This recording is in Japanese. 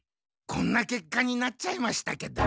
こんなけっかになっちゃいましたけど。